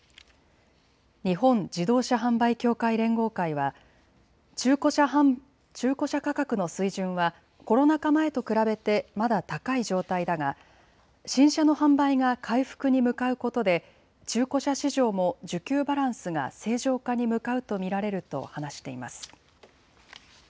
日本自動車販売協会連合会は中古車価格の水準はコロナ禍前と比べてまだ高い状態だが新車の販売が回復に向かうことで中古車市場も需給バランスが正常化に向かうと見られると話しています。